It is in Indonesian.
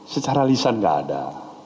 secara lisan enggak ada